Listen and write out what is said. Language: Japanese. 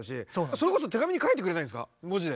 それこそ手紙に書いてくれないんですか文字で。